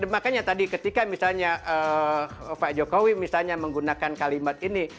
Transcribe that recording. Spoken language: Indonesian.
makanya tadi ketika misalnya pak jokowi misalnya menggunakan kalimat ini